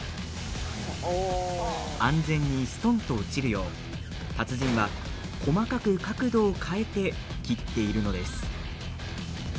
安全に、すとんと落ちるよう達人は細かく角度を変えて切っているのです。